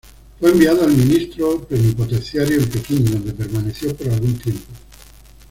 Fue enviado al Ministro Plenipotenciario en Pekín, donde permaneció por algún tiempo.